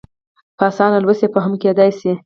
په اسانه لوستی او فهم کېدای شي.